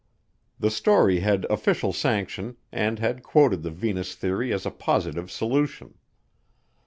The story had official sanction and had quoted the Venus theory as a positive solution.